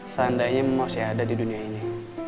seandainya mau saya ada di dunia ini